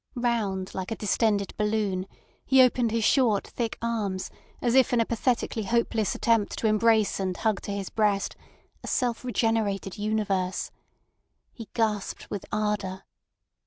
Round like a distended balloon, he opened his short, thick arms, as if in a pathetically hopeless attempt to embrace and hug to his breast a self regenerated universe. He gasped with ardour.